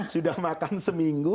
sudah makan seminggu